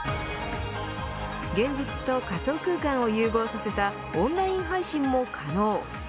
現実と仮想空間を融合させたオンライン配信も可能。